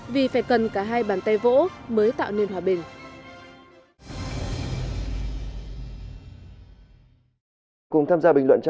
vì phải cần cả hai bàn tay gỗ mới tạo nên hòa bình